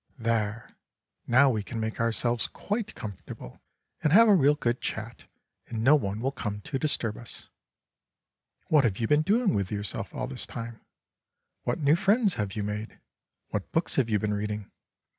"There; now we can make ourselves quite comfortable and have a real good chat, and no one will come to disturb us. What have you been doing with yourself all this time? What new friends have you made? What books have you been reading?